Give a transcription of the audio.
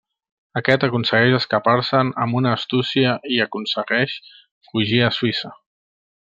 Aquest aconsegueix escapar-se'n amb una astúcia i aconsegueix fugir a Suïssa.